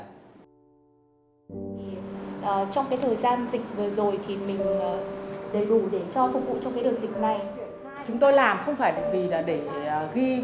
trong cái thời gian dịch vừa rồi thì mình đầy đủ để cho phục vụ trong cái đợt dịch này